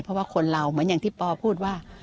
เพราะว่าคนเราเหมือนอย่างที่ปอพูดว่า